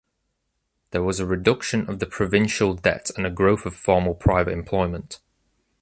There was a reduction of the provincial debt and a growth of formal private employment.